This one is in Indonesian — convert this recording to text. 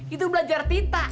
itu belajar tita